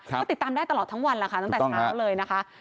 ก็ติดตามได้ตลอดทั้งวันแล้วค่ะตั้งแต่เช้าเลยนะคะ